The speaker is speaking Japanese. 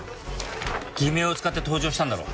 偽名を使って搭乗したんだろう。